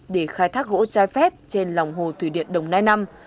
để khai thác gỗ trái phép trên lòng hồ thủy điện đồng nai năm